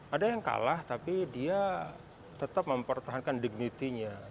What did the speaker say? ada yang kalah tapi dia tetap mempertahankan dignity nya